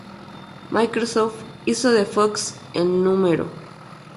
Microsoft hizo de Fox el Nro.